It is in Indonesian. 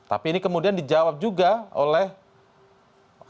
tapi ini kemudian dijawab juga oleh anggota presiden